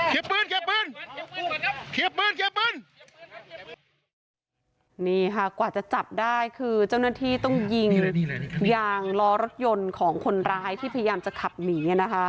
แกหากว่าจะจับได้คือเจ้าหน้าที่ต้องยิงยังล้อรักยนต์ของคนร้ายที่พยายามจะขับหนี